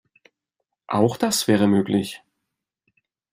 Auch das wäre möglich.